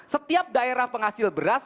setiap daerah penghasil beras